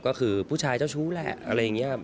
ก็คือผู้ชายเจ้าชู้แหละอะไรอย่างนี้